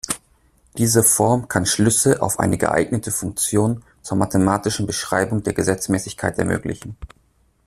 Diese Form kann Schlüsse auf eine geeignete Funktion zur mathematischen Beschreibung der Gesetzmäßigkeit ermöglichen.